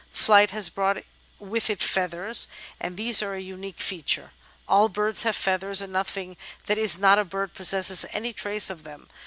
Flight has brought with it feathers, and these are a unique feature : all birds have feathers, and nothing that is not a bird possesses any trace of them.